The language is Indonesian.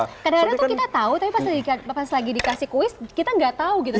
kadang kadang tuh kita tau tapi pas lagi dikasih kuis kita gak tau gitu